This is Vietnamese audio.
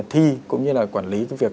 thi cũng như là quản lý việc